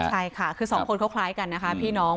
ใช่ค่ะคือสองคนเขาคล้ายกันนะคะพี่น้อง